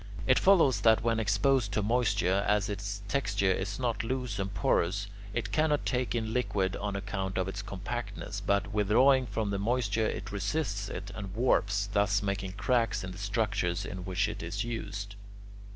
It follows that when exposed to moisture, as its texture is not loose and porous, it cannot take in liquid on account of its compactness, but, withdrawing from the moisture, it resists it and warps, thus making cracks in the structures in which it is used.